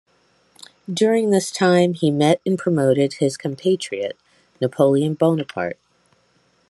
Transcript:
During this time he met and promoted his compatriot Napoleon Bonaparte.